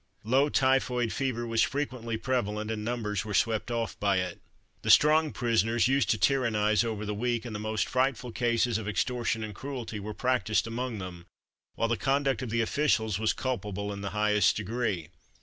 Low typhoid fever was frequently prevalent, and numbers were swept off by it. The strong prisoners used to tyrannise over the weak, and the most frightful cases of extortion and cruelty were practised amongst them, while the conduct of the officials was culpable in the highest degree.